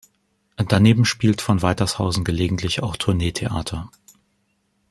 Daneben spielt von Weitershausen gelegentlich auch Tournee-Theater.